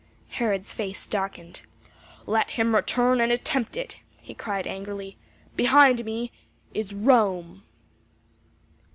Herod's face darkened. "Let him return and attempt it!" he cried angrily. "Behind me is Rome."